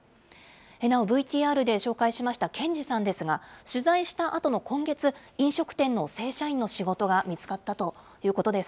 なおＶＴＲで紹介しました健二さんですが、取材したあとの今月、飲食店の正社員の仕事が見つかったということです。